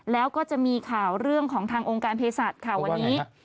แล้วก็จะมีข่าวเรื่องของทางองค์การเพศสัตว์ค่ะวันนี้